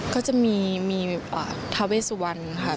ก็จะมีมีประหลาดทาเวสวันค่ะ